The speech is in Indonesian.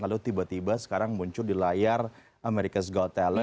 lalu tiba tiba sekarang muncul di layar american's god's talent